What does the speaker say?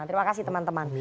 terima kasih teman teman